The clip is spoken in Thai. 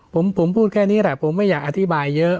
ผมพูดแค่นี้แหละผมไม่อยากอธิบายเยอะ